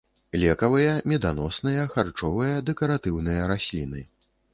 Лекавыя, меданосныя, харчовыя, дэкаратыўныя расліны.